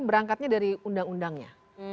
berangkatnya dari undang undangnya